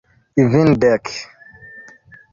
Kvindek!